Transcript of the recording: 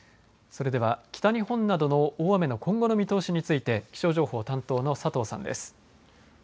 それでは北日本などの大雨の今後の見通しについて気象情報担当の佐藤さんです。